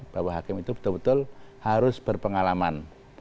bahwa hakim itu betul betul harus berpengalaman